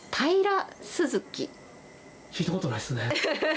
聞いたことないですね。